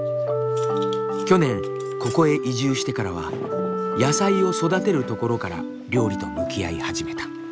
去年ここへ移住してからは野菜を育てるところから料理と向き合い始めた。